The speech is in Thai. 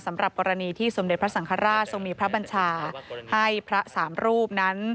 สำหรับกรณีที่สมเด็จพระสังฆราชทรงมีพระบัญชาให้พระสามรูปนั้น